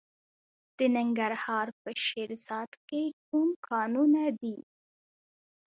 د ننګرهار په شیرزاد کې کوم کانونه دي؟